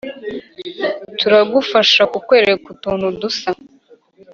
turagufasha kukwereka utuntu dusa